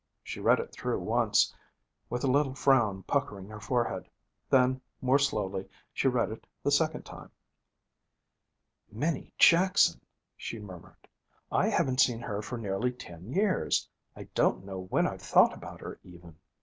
She read it through once, with a little frown puckering her forehead. Then, more slowly, she read it the second time. 'Minnie Jackson!' she murmured. 'I haven't seen her for nearly ten years. I don't know when I've thought about her, even.